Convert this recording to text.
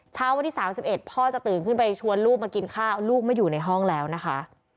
เช้าวันที่๓๑พ่อจะตื่นขึ้นไปชวนลูกมากินข้าวลูกไม่อยู่ในห้องแล้วนะคะ